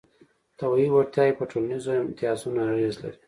طبیعي وړتیاوې په ټولنیزو امتیازونو اغېز لري.